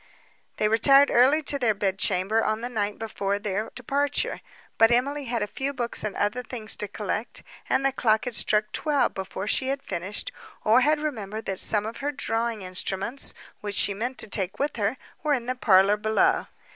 They retired early to their chamber on the night before their departure; but Emily had a few books and other things to collect, and the clock had struck twelve before she had finished, or had remembered that some of her drawing instruments, which she meant to take with her, were in the parlour below.